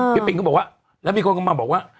ปินก็บอกว่าแล้วมีคนก็มาบอกว่า